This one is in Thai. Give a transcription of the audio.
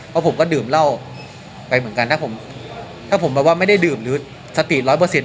เพราะผมก็ดื่มเหล้าไปเหมือนกันถ้าผมถ้าผมแบบว่าไม่ได้ดื่มหรือสติร้อยเปอร์เซ็น